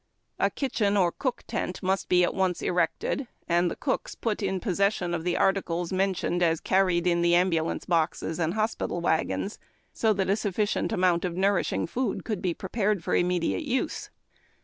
A kitchen or cook tent must be at once erected and the cooks put in possession of the articles mentioned as carried in the ambulance boxes and hospital wagons, so that a sufficient amount of nourishing food could be prepared for immediate use.